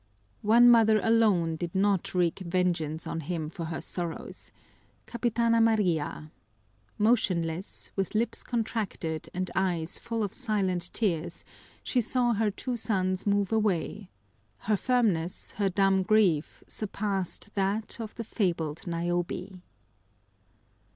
One mother alone did not wreak vengeance on him for her sorrows, Capitana Maria. Motionless, with lips contracted and eyes full of silent tears, she saw her two sons move away; her firmness, her dumb grief surpassed that of the fabled Niobe.